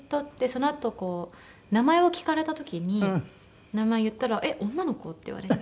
そのあと名前を聞かれた時に名前言ったら「えっ女の子？」って言われて。